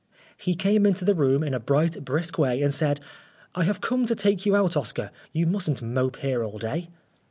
He came into the room in a bright, brisk way and said, " I have come to take you out, Oscar. You mustn't mope here all day."